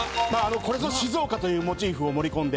これぞ静岡というモチーフを盛り込んで。